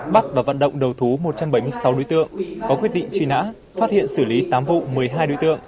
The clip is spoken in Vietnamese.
bắt và vận động đầu thú một trăm bảy mươi sáu đối tượng có quyết định truy nã phát hiện xử lý tám vụ một mươi hai đối tượng